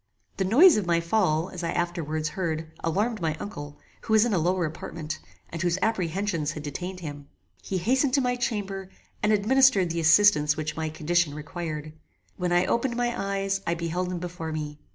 The noise of my fall, as I afterwards heard, alarmed my uncle, who was in a lower apartment, and whose apprehensions had detained him. He hastened to my chamber, and administered the assistance which my condition required. When I opened my eyes I beheld him before me.